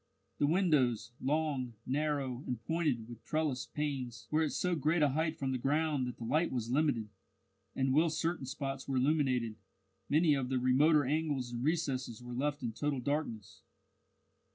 The windows, long, narrow, and pointed, with trellised panes, were at so great a height from the ground that the light was limited, and whilst certain spots were illuminated, many of the remoter angles and recesses were left in total darkness.